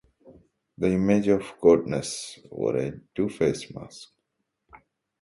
The image of the goddess wore a two-faced mask.